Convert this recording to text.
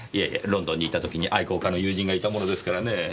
ロンドンにいた時に愛好家の友人がいたものですからねぇ。